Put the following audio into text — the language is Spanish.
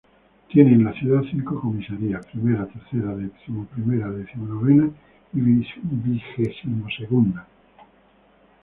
Tiene, en la ciudad, cinco comisarías: Primera, Tercera, Decimoprimera, Decimonovena, Vigesimosegunda.